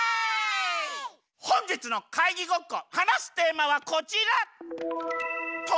ほんじつのかいぎごっこはなすテーマはこちら。